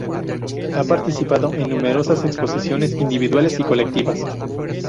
Ha participado en numerosas exposiciones individuales y colectivas.